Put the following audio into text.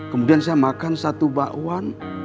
kemudian saya makan satu bakwan